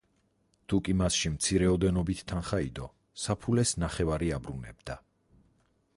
თუკი მასში მცირე ოდენობით თანხა იდო, საფულეს ნახევარი აბრუნებდა.